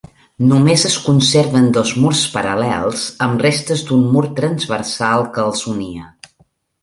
Només es conserven dos murs paral·lels, amb restes d'un mur transversal que els unia.